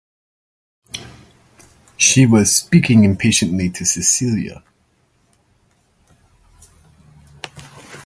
She was speaking impatiently to Celia.